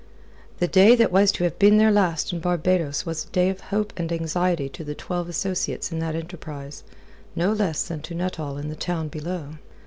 The day that was to have been their last in Barbados was a day of hope and anxiety to the twelve associates in that enterprise, no less than to Nuttall in the town below.